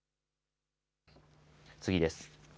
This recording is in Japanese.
次です。